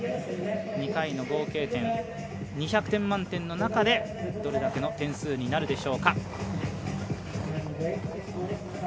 ２回の合計点、２００点満点の中でどれだけの点数になるでしょうか。